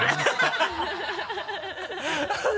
ハハハ